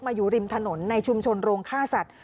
อยู่ริมถนนในชุมชนโรงฆ่าสัตว